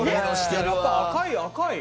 やっぱ赤い赤い。